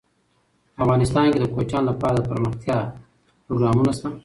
افغانستان کې د کوچیانو لپاره دپرمختیا پروګرامونه شته.